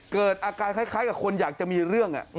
เกิดอาการคล้ายกับคนอยากจะมีเรื่อง